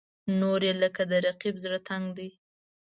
نورې یې لکه د رقیب زړه تنګ دي.